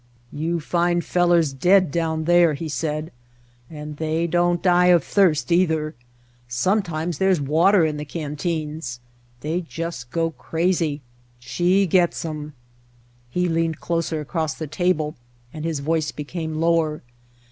"You find fellers dead down there," he said. "And they don't die of thirst, either. Some times there's water in the canteens. They just go crazy. She gets 'em." He leaned closer across the table and his voice became lower.